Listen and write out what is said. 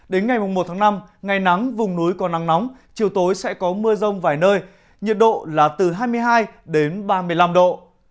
đến ngày một tháng năm ngày nắng vùng núi có nắng nóng chiều tối sẽ có mưa rông vài nơi nhiệt độ là từ hai mươi hai đến ba mươi năm độ